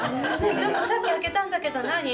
「ちょっとさっき開けたんだけど何？